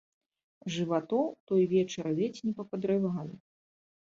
Жыватоў той вечар ледзь не пападрывалі.